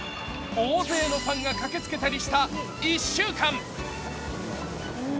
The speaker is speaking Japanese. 大勢のファンが駆けつけたりした１週間。